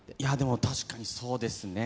確かにそうですね。